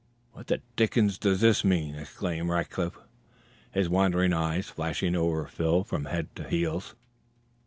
"What the dickens does this mean?" exclaimed Rackliff, his wondering eyes flashing over Phil from head to heels.